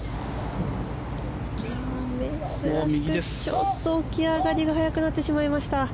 ちょっと起き上がりが早くなってしまいました。